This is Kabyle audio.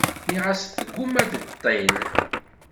Nniɣ-as tguma ad d-teṭṭil.